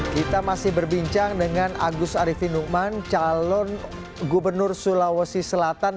kita masih berbincang dengan agus arifin nukman calon gubernur sulawesi selatan